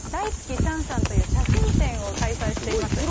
シャンシャンという写真展を開催しています。